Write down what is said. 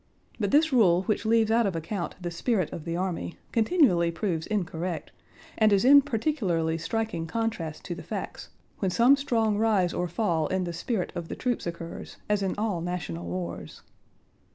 But this rule which leaves out of account the spirit of the army continually proves incorrect and is in particularly striking contrast to the facts when some strong rise or fall in the spirit of the troops occurs, as in all national wars.